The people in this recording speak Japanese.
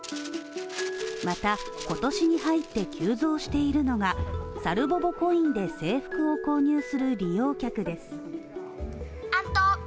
また、今年に入って急増しているのがさるぼぼコインで制服を購入する利用客です。